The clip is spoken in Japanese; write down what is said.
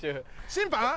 審判？